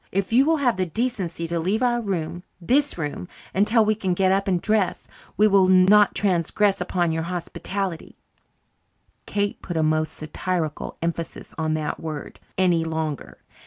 If you will have the decency to leave our room this room until we can get up and dress we will not transgress upon your hospitality" (Kate put a most satirical emphasis on that word) "any longer.